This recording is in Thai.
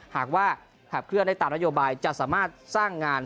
หากว่าขับเคลื่อนได้ตามนโยบายจะสามารถสร้างงาน